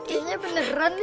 iya beneran nih